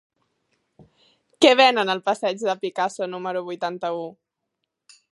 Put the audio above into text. Què venen al passeig de Picasso número vuitanta-u?